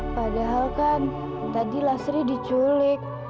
padahal kan tadi nasri diculik